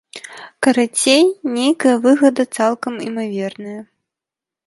Карацей, нейкая выгада цалкам імаверная.